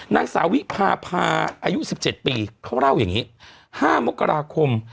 นักศาวิภาพาอายุสิบเจ็ดปีเขาเล่าอย่างงี้ห้ามกราคม